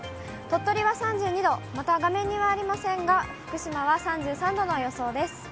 鳥取は３２度、また画面にはありませんが、福島は３３度の予想です。